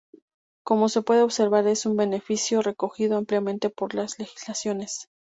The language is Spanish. Como se puede observar, es un beneficio recogido ampliamente por las legislaciones.